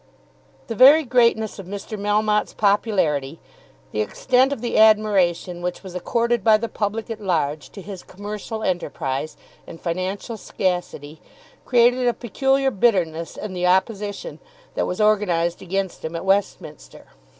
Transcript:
The very greatness of Mr. Melmotte's popularity, the extent of the admiration which was accorded by the public at large to his commercial enterprise and financial sagacity, created a peculiar bitterness in the opposition that was organised against him at Westminster.